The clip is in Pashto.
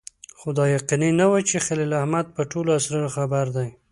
خو دا یقیني نه وه چې خلیل احمد په ټولو اسرارو خبر دی.